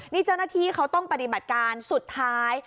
นี่เจ้าหน้าที่เขาต้องปฏิบัติการสุดท้าย